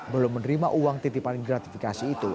belum menerima uang titipan gratifikasi itu